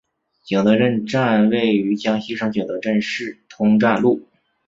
景德镇站位于江西省景德镇市通站路。